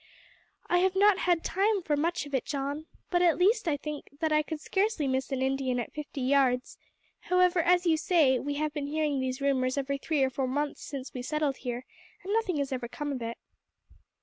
"I have not had time for much of it, John, but at least I think that I could scarcely miss an Indian at fifty yards; however, as you say, we have been hearing these rumours every three or four months since we settled here, and nothing has ever come of it."